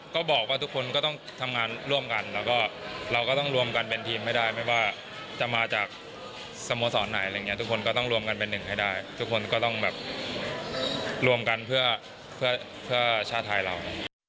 ก็บอกว่าทุกคนก็ต้องทำงานร่วมกันแล้วก็เราก็ต้องรวมกันเป็นทีมให้ได้ไม่ว่าจะมาจากสโมสรไหนอะไรอย่างนี้ทุกคนก็ต้องรวมกันเป็นหนึ่งให้ได้ทุกคนก็ต้องแบบรวมกันเพื่อชาติไทยเรา